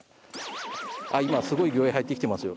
今すごい魚影入ってきてますよ。